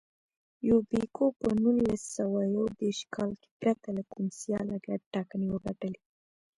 یوبیکو په نولس سوه یو دېرش کال کې پرته له کوم سیاله ټاکنې وګټلې.